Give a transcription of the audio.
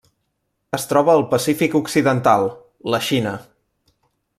Es troba al Pacífic occidental: la Xina.